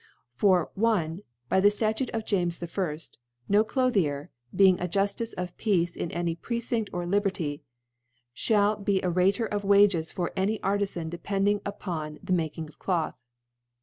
For, I . By the Statute oiJ amesJL f ►' No* * Clothier, being a Juftice of Peace in any * Precinft or Liberty, fhall be a Rater o^ ^ Wages for any Artizan depending upoo * the making c^ Cloth.